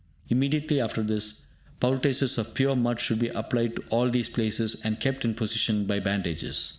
Immediately after this, poultices of pure mud should be applied to all these places, and kept in position by bandages.